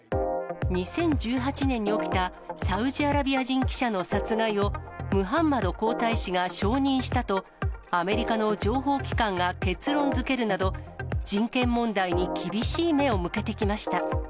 ２０１８年に起きたサウジアラビア人記者の殺害を、ムハンマド皇太子が承認したと、アメリカの情報機関が結論づけるなど、人権問題に厳しい目を向けてきました。